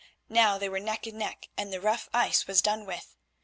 Now they were neck and neck, and the rough ice was done with.